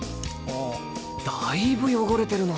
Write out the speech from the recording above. だいぶ汚れてるな。